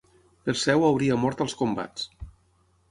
Perseu hauria mort als combats.